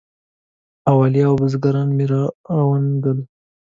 اولیاء او بزرګان مي را وننګول.